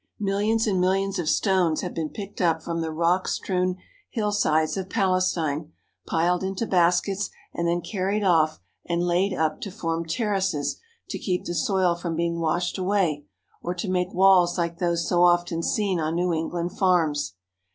Millions and mil lions of stones have been picked up from the rock strewn hillsides of Palestine, piled into baskets, and then carried off and laid up to form terraces to keep the soil from being washed away or to make walls like those so often seen on New England farms.